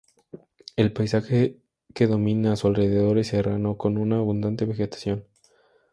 El paisaje que domina a su alrededor es serrano con una abundante vegetación.